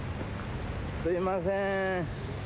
すいません。